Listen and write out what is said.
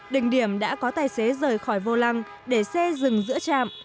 đỉnh điểm đã có tài xế rời khỏi vô lăng để xe dừng giữa trạm